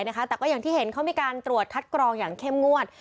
แต่ก็อย่างที่เห็นเขามีการตรวจคัดกรองอย่างเข้มงวด